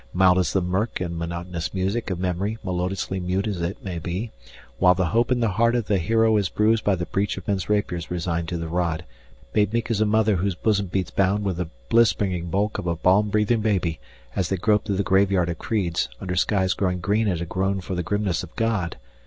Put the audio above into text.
Mild is the mirk and monotonous music of memory, melodiously mute as it may be, While the hope in the heart of a hero is bruised by the breach of men's rapiers, resigned to the rod; Made meek as a mother whose bosom beats bound with the bliss bringing bulk of a balm breathing baby, As they grope through the graveyard of creeds, under skies growing green at a groan for the grimness of God.